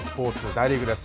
大リーグです。